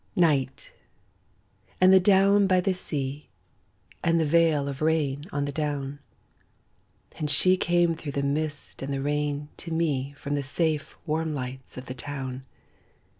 NIGHT, and the down by the sea, And the veil of rain on the down; And she came through the mist and the rain to me From the safe warm lights of the town.